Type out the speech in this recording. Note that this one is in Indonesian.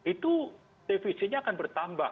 itu defisitnya akan bertambah